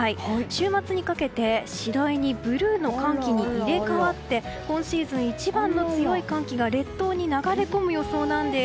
週末にかけて次第にブルーの寒気に入れ替わって今シーズン一番の強い寒気が列島に流れ込む予想なんです。